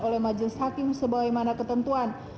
oleh majelis hakim sebagaimana ketentuan